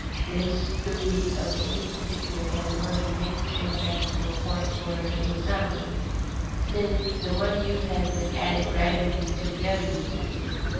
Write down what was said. _ The history of any particular kind of money may be traced back to a point where it was not money, since which the money use has been added gradually to the other uses.